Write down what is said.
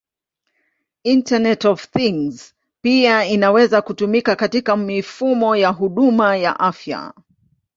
IoT pia inaweza kutumika katika mifumo ya huduma ya afya.